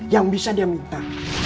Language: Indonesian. yang bisa dia minta